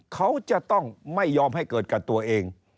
เขาจะต้องไม่ยอมให้เกิดกับตัวเอง